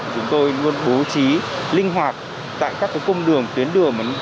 chúng tôi luôn bố trí linh hoạt tại các cung đường tuyến đường